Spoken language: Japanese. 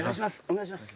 お願いします。